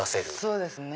そうですね。